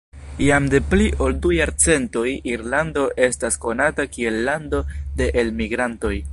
Jam de pli ol du jarcentoj Irlando estas konata kiel lando de elmigrantoj.